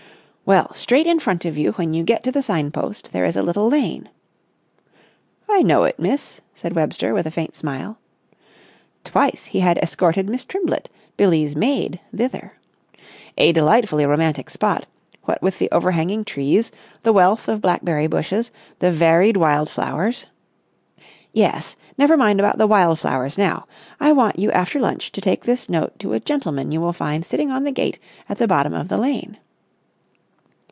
"Well, straight in front of you when you get to the sign post there is a little lane...." "I know it, miss," said Webster, with a faint smile. Twice had he escorted Miss Trimblett, Billie's maid, thither. "A delightfully romantic spot. What with the overhanging trees, the wealth of blackberry bushes, the varied wild flowers...." "Yes, never mind about the wild flowers now. I want you after lunch, to take this note to a gentleman you will find sitting on the gate at the bottom of the lane...."